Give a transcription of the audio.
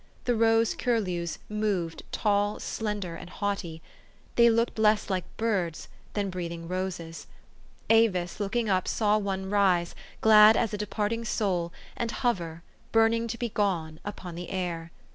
The rose curlews moved, tall, slender, and haughty: they looked less like birds than breathing roses. Avis, looking up, saw one rise, glad as a departing soul, and hover, burning to be gone, upon the air.